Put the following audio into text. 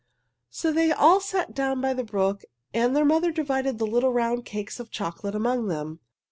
So they all sat down by the the brook and their mother divided the little round cakes of chocolate among them.